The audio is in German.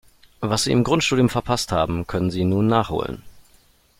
Was Sie im Grundstudium verpasst haben, können Sie nun nachholen.